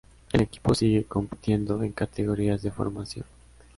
El equipo sigue compitiendo en categorías de formación.